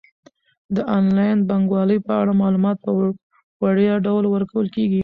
د انلاین بانکوالۍ په اړه معلومات په وړیا ډول ورکول کیږي.